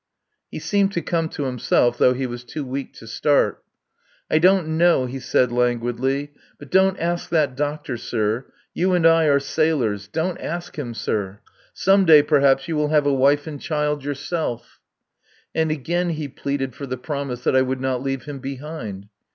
He seemed to come to himself, though he was too weak to start. "I don't know," he said languidly. "But don't ask that doctor, sir. You and I are sailors. Don't ask him, sir. Some day perhaps you will have a wife and child yourself." And again he pleaded for the promise that I would not leave him behind.